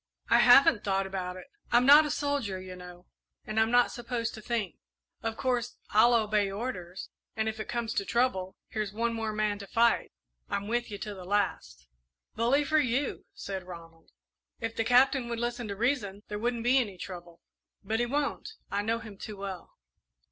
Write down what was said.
"I haven't thought about it. I'm not a soldier, you know, and I'm not supposed to think. Of course, I'll obey orders, and if it comes to trouble, here's one more man to fight I'm with you to the last." "Bully for you!" said Ronald. "If the Captain would listen to reason, there wouldn't be any trouble; but he won't I know him too well."